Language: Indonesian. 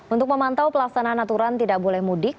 untuk memantau pelaksanaan aturan tidak boleh mudik